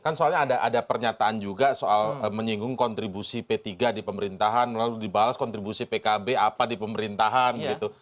kan soalnya ada pernyataan juga soal menyinggung kontribusi p tiga di pemerintahan lalu dibalas kontribusi pkb apa di pemerintahan begitu